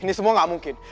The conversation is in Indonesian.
ini semua gak mungkin